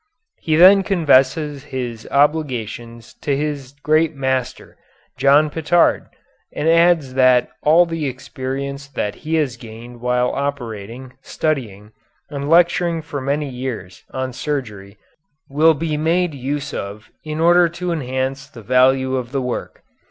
He then confesses his obligations to his great master, John Pitard, and adds that all the experience that he has gained while operating, studying, and lecturing for many years on surgery will be made use of in order to enhance the value of the work.